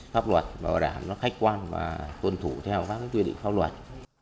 pháp luật và đảm nó khách quan và tuân thủ theo các cái quy định pháp luật